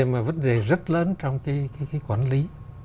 mà vấn đề rất lớn trong cái quản lý